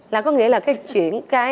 là có nghĩa là cái chuyện